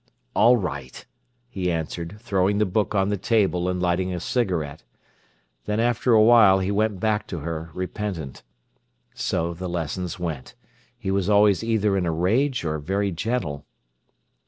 "All right," he answered, throwing the book on the table and lighting a cigarette. Then, after a while, he went back to her repentant. So the lessons went. He was always either in a rage or very gentle.